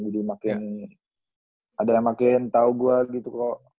jadi makin ada yang makin tau gua gitu kok